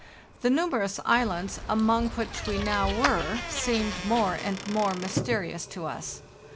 The numerous islands among which we now were seemed more and more mys terious to us.